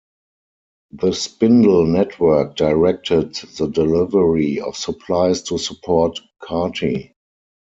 The Spindle Network directed the delivery of supplies to support Carte.